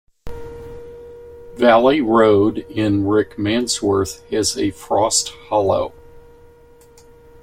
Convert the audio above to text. Valley Road in Rickmansworth has a frost hollow.